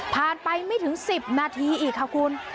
ไปไม่ถึง๑๐นาทีอีกค่ะคุณ